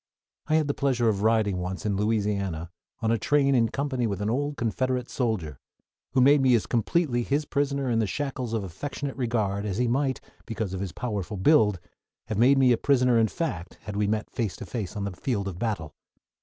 I had the pleasure of riding once in Louisiana on a train in company with an old Confederate soldier, who made me as completely his prisoner in the shackles of affectionate regard as he might, because of his powerful build, have made me a prisoner in fact had we met face to face on the field of battle.